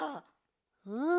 うん。